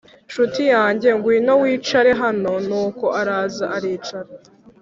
ncuti yanjye ngwino wicare hano Nuko araza aricara